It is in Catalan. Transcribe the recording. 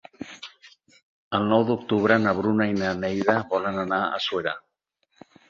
El nou d'octubre na Bruna i na Neida volen anar a Suera.